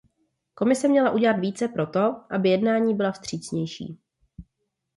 Komise měla udělat více pro to, aby jednání byla vstřícnější.